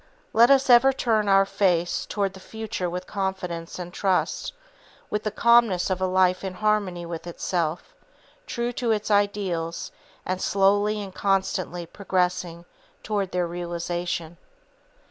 Let us ever turn our face toward the future with confidence and trust, with the calmness of a life in harmony with itself, true to its ideals, and slowly and constantly progressing toward their realization.